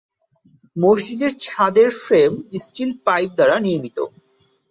মসজিদের ছাদের frame steel pipe দ্বারা নির্মিত।